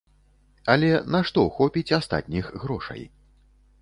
Але на што хопіць астатніх грошай?